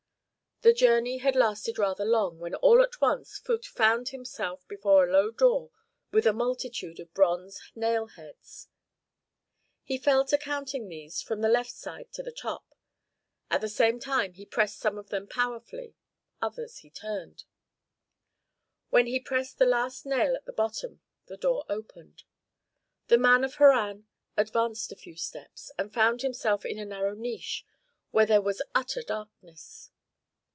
The journey had lasted rather long when all at once Phut found himself before a low door with a multitude of bronze nail heads. He fell to counting these from the left side on the top; at the same time he pressed some of them powerfully, others he turned. When he had pressed the last nail at the bottom, the door opened. The man of Harran advanced a few steps, and found himself in a narrow niche where there was utter darkness.